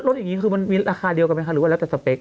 ด้วยรถแอบนี้คือมันมีราคาเดียวกันไหมคะหรือแล้วแต่สเปค